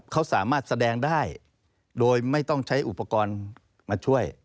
เขาสามารถแสดงได้โดยไม่ต้องใช้อุปกรณ์มาช่วย